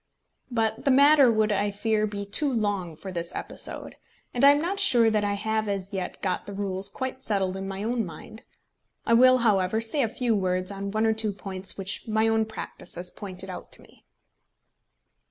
But the matter would, I fear, be too long for this episode, and I am not sure that I have as yet got the rules quite settled in my own mind. I will, however, say a few words on one or two points which my own practice has pointed out to me.